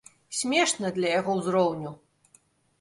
Смешна для яго ўзроўню.